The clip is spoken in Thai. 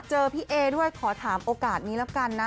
เจอพี่เอด้วยขอถามโอกาสนี้แล้วกันนะ